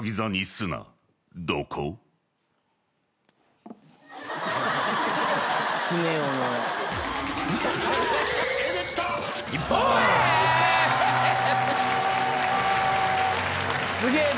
すげえ！